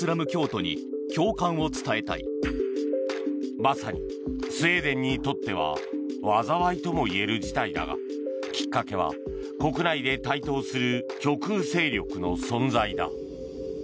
まさにスウェーデンにとっては災いともいえる事態だがきっかけは国内で台頭する極右勢力の存在だ。